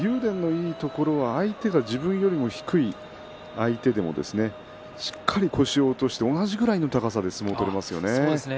いいところは相手が自分よりも低い相手でもしっかりと腰を落として同じ高さで相撲を取るんですよね。